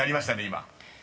今］